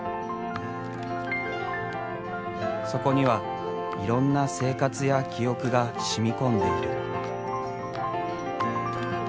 そこにはいろんな生活や記憶が染み込んでいる。